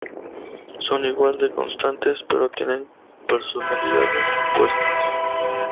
Son igual de constantes, pero tienen personalidades opuestas.